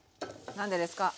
何でですか？